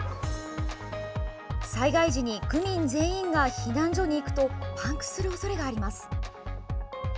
災害時に区民全員が避難所に行くとパンクするおそれがあります。